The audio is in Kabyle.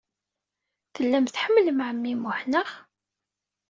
Tellam tḥemmlem ɛemmi Muḥ, naɣ?